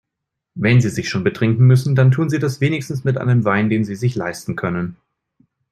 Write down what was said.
Wenn Sie sich schon betrinken müssen, dann tun Sie das wenigstens mit einem Wein, den Sie sich leisten können.